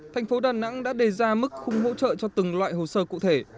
thành phố đà nẵng đã đề ra mức khung hỗ trợ cho từng loại hồ sơ cụ thể